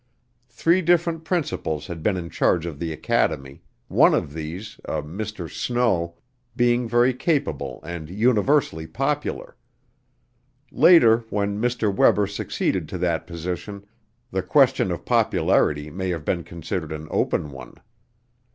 Three different principals had been in charge of the academy, one of these, a Mr. Snow, being very capable and universally popular. Later, when Mr. Webber succeeded to that position, the question of popularity may have been considered an open one.